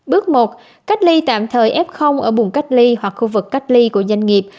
bước một cách ly tạm thời f ở buồng cách ly hoặc khu vực cách ly của doanh nghiệp